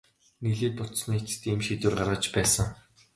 Нэлээд бодсоны эцэст ийм шийдвэр гаргаж байсан.